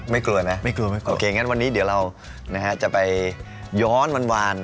ไม่กลัวนะโอเคอย่างนั้นวันนี้เดี๋ยวเรานะครับจะไปย้อนวาน